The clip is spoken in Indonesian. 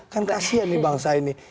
kan kasian nih bangsa ini